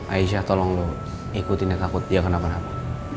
aisyah tolong lo ikutin dia takut dia akan nabar hapa